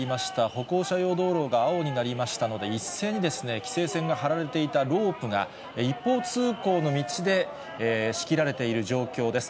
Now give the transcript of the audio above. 歩行者用道路が青になりましたので、一斉にですね、規制線が張られていたロープが、一方通行の道で仕切られている状況です。